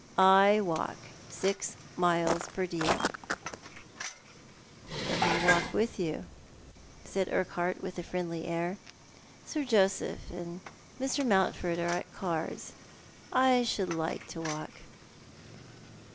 I walk six miles per diem." "Let me walk with you," said Urquhart, with a friendly air. " Sir Joseph and Mr. Mountford are at cards. I should like a walk."